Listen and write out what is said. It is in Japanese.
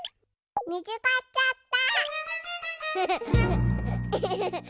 みつかっちゃった！